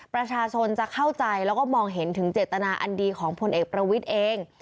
ประชาชนจะเข้าใจแล้วก็มองเห็นถึงเจตนาอันดีของพลเอกประวิทย์เอง